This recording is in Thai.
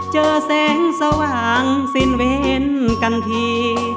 เจอแสงสว่างสิ้นเว้นกันที